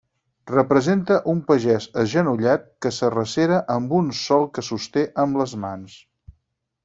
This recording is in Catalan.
Representa un pagès agenollat que s'arrecera amb un Sol que sosté amb les mans.